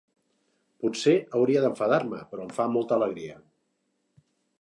Potser hauria d'enfadar-me, però em fa molta alegria.